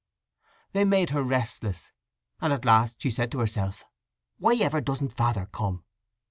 They made her restless, and at last she said to herself: "Why ever doesn't Father come?"